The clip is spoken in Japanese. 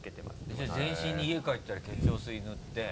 じゃあ全身に家帰ったら化粧水塗って。